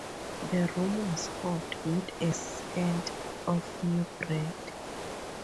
The room was hot, with a scent of new bread.